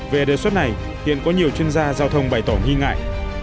về đề xuất này hiện có nhiều chuyên gia giao thông bày tỏ nghi ngại